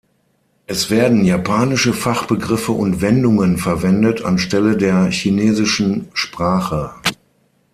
Es werden japanische Fachbegriffe und Wendungen verwendet anstelle der chinesischen Sprache.